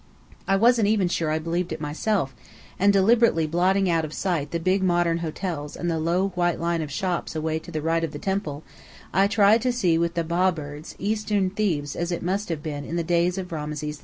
I wasn't even sure I believed it myself; and deliberately blotting out of sight the big modern hotels and the low white line of shops away to the right of the temple, I tried to see with the Ba birds, eastern Thebes as it must have been in the days of Rameses II.